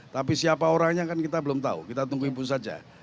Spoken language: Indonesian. tapi siapa orangnya kan kita belum tahu kita tunggu ibu saja